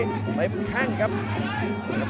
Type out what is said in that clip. ตึกใบมันแท่งครับ